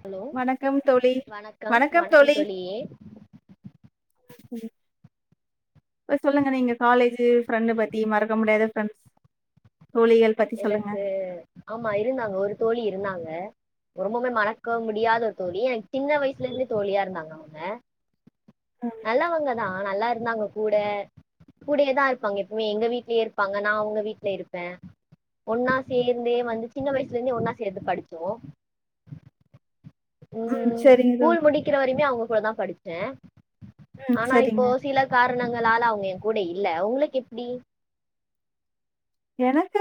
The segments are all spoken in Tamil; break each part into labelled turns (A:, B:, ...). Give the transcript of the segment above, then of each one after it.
A: ஹலோ
B: வணக்கம் தோழி
A: வணக்கம் வணக்கம் தோழியே
B: சொல்லுங்க நீங்க காலேஜூ ஃப்ரெண்டு பத்தி மறக்க முடியாத ஃப்ரெண்ட்ஸ் தோழிகள் பத்தி சொல்லுங்க
A: எனக்கு ஆமா இருந்தாங்க ஒரு தோழி இருந்தாங்க ரொம்பமே மறக்க முடியாத ஒரு தோழி எனக்கு சின்ன வயசுலருந்தே தோழியா இருந்தாங்க அவுங்க
B: ம்
A: நல்லவங்கதா நல்லா இருந்தாங்க கூட கூடயேதா இருப்பாங்க எப்பமே எங்க வீட்லயே இருப்பாங்க நா அவுங்க வீட்ல இருப்ப ஒன்னா சேந்தே வந்து சின்ன வயசுலந்தே ஒன்னா சேந்து படிச்சோ
B: ம்.
A: உம்
B: சரிங்க
A: ஸ்கூல்
B: தோழி
A: முடிக்கிற வரைமே அவுங்க கூடதா படிச்ச
B: ம்
A: ஆனா இப்போ
B: சரிங்க
A: சில கார ணங்களால அவுங்க என் கூட இல்ல உங்களுக்கெப்டி
B: எனக்கு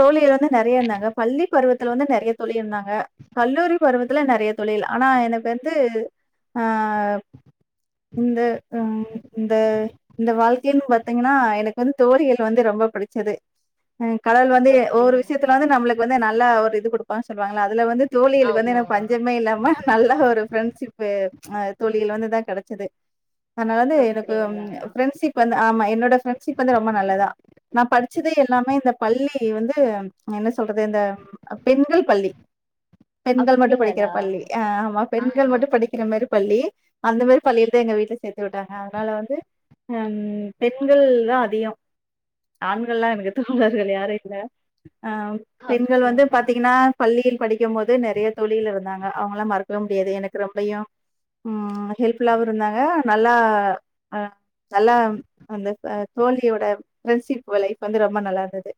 B: தோழிகள் வந்து நெறயா இருந்தாங்க பள்ளி பருவத்துல வந்து நெறயா தோழி இருந்தாங்க கல்லூரி பருவத்துல நெறயா தோழிகள் ஆனா எனக் வந்து ஆ இந்த ஆ இந்த இந்த வாழ் தின் பாத்தீங்கனா எனக்கு வந்து தோழிகள் வந்து ரொம்ப பிடிச்சது ம் கடவுள் வந்து ஒவ்வொரு
A: அப்படிங்களா
B: விஷ்யத்துல வந்து நம்ளுக்கு வந்து ந ல்லா ஒரு இது குடுப்பாங் சொல்லுவாங்கள்ள அதுல வந்து தோழிகள் வந்து
A: ஆமா
B: எனக்கு பஞ்சமே இல்லாம நல்ல ஒரு ஃப்ரெண்ட்ஷிப்பு ப்ச் அ தோழிகள் வந்துதா கெடச்சது அதாவது வந்து எனக்கு ம்
A: அப்படிங்களா
B: ஃப்ரெண்ட்ஷிப் நா ஆமா என்னோட ஃப்ரெண்ட்ஷிப் வந்து ரொம்ப நல்லதா நா படி ச்சது எல்லாமே இந்த பள்ளி வந்து என்ன சொல்றது இந்த பெண்கள் பள்ளி பெண்கள் மட்டு படிக்கிற
A: அப்படிங்களா
B: பள்ளி ஆ ஆமா பெண்கள்
A: ஆஹ்
B: மட்டு படிக்கிற மாரி பள்ளி அந்த மாரி பள்ளிலதா எங்க வீட்ல சேத்துவிட்டாங்க அதனால வந்து பெண்கள் தா அதிகோ ஆண் கள்ல எனக்கு தோழர்கள் யாரு இல்ல அ பெண்கள் வந்து
A: அப்படிங்களா
B: பாத்தீங்கன்னா பள்ளியில் படிக்கம் போது நெறைய தோழிகள் இருந்தாங்க அவங்களா மறக்கவே முடியாது எனக்கு ரொம்பயு ம் ஹெல்ஃபுல்லாவு இருந்தாங்க நல்லா அ நல்லா அந்த த தோழியோட ஃப்ரெண்ஷிப் அப்போ லைஃப் வந்து ரொம்ப நல்லா இருந்தது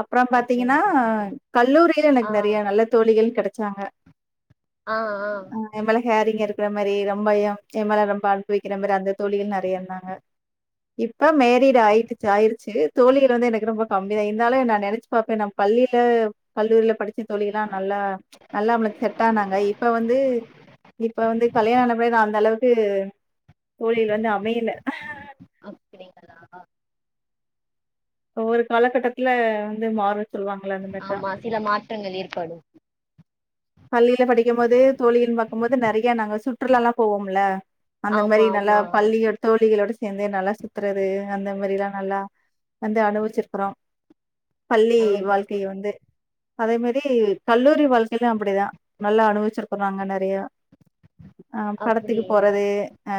B: அப்பறோம்
A: அப்படிங்களா
B: பாத்தீங்கனா கல்லூரில
A: ஆ
B: எனக்கு நெறைய நல்ல தோழிகள் கெடச்சாங்க ஆ எ மேல ஹேரிங்க இருக் க்ற மாரி ரொம்பயு ஏ மேல ரொம்ப அன்பு வக்கிற மாரி அந்த தோழி நெறைய இருந்தாங்க இப்ப மேரீடு ஆயிடுச்சு ஆயிரு ச்சு தோழிகள் வந்து எனக்கு ரொம்ப கம்மிதா இருந்தாலு நா நெனச்சு பாப்பே நாம் பள்ளில கல்லூரில படிச்ச தோழிகள்லா நல்லா நல்லா நம்மளுக்கு செட் ஆனாங்க இப்ப வந்து இப்ப வந்து கல்யாணானா போயிதா அந்த அளவுக்கு தோழிகள் வந்து அமயல
A: அப்டிங்களா
B: ஒவ்வொரு காலகட்டத்தில வந்து மாறு
A: ஆமா சில மாற்றங்கள் ஏற்படு
B: பள்ளியில படிக்கம் போது தோழியின் பாக்கும் போது நெறைய நாங்க சுற்றுலாலா போவோம்ல அந்த
A: ஆமா
B: மாரி நல்லா
A: ஆமா
B: பள்ளிகள் தோழிகைகளோடு சேந்து நல்லா சுத்துறது அந்த மாரி லா நல்லா வந்து அனுவச்சிருக்குறோ பள்ளி
A: ஆமா
B: வாழ்க்கைய வந்து அதே மாரி கல்லூரி வாழ்க்கையில் ல அப்டிதா நல்லா அனுவச்சிருக்குறங்க நெறய அ படத்துக்கு
A: அப்படியா
B: போறது அ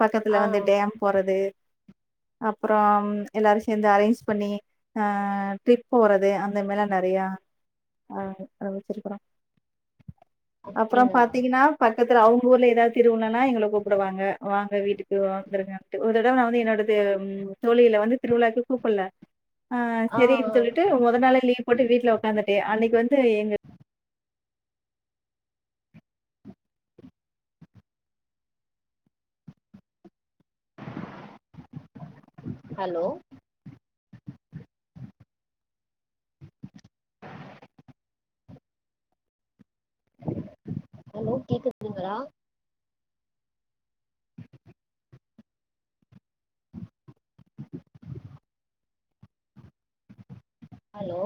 B: பக்கத்துல
A: ஆ
B: வந்து டேம் போறது அப்பறம் எல்லாரு சேந்து அரேஞ்ச் பண்ணி அ ட்ரிப் போறது அந்த மாரிலா நெறயா அனுவச்சிருக்குறோ அப்புறோம்
A: அப்படிங்களா
B: பாத்தீங்கன்னா ப பக்கத்துல அவங்க ஊர்ல எதாவது திருவிழன்னா எங்கள கூப்புடுவாங்க வாங்க வீட்டுக்கு வந்துருங்க அப்டின்டு ஒரு தடவ நா வந்து என்னோட தெ ம் தோழிகள வந்து திருவிழாக்கு கூப்புல்ல ஆ செரின் சொல்லிட்டு மொத நாளே லீவ் போட்டு வீட்டுல உக்காந்துட்டே அன்னைக்கு வந்து எங்க
A: ஹலோ ஹலோ கேக்குதுங்களா ஹலோ